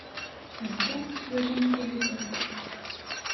Tezgam tettwalim tiliẓri.